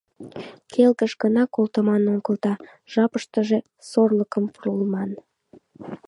Келгыш гына колтыман огыл да жапыштыже сорлыкым пурлман.